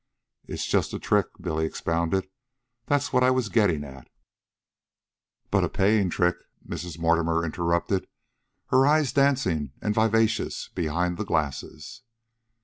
"It's just a trick," Billy expounded. "That's what I was gettin' at " "But a paying trick," Mrs. Mortimer interrupted, her eyes dancing and vivacious behind the glasses.